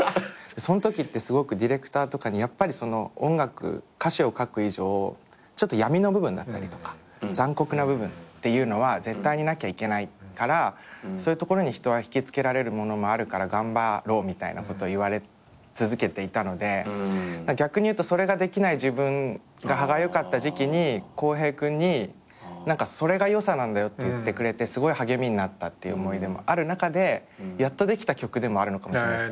そのときってすごくディレクターとかにやっぱり音楽歌詞を書く以上ちょっと闇の部分だったりとか残酷な部分っていうのは絶対になきゃいけないからそういうところに人は引き付けられるものもあるから頑張ろうみたいなことを言われ続けていたので逆に言うとそれができない自分が歯がゆかった時期に洸平君にそれがよさなんだよって言ってくれてすごい励みになったっていう思い出もある中でやっとできた曲でもあるのかもしれないです。